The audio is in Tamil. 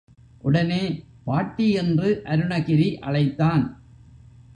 உடனே பாட்டி என்று அருணகிரி அழைத்தான்.